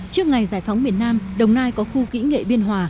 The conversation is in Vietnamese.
trước ngày giải phóng miền nam đồng nai có khu kỹ nghệ biên hòa